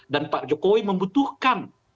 dan pak jokowi membutuhkan